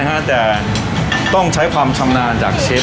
ไม่นานนะคะแต่ต้องใช้ความชำนาญจากเชฟ